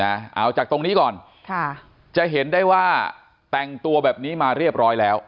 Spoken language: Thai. เอาจากตรงนี้ก่อนค่ะจะเห็นได้ว่าแต่งตัวแบบนี้มาเรียบร้อยแล้ว